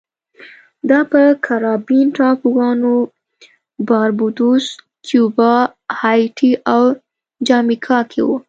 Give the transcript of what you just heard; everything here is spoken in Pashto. دا په کارابین ټاپوګانو باربادوس، کیوبا، هایټي او جامیکا کې و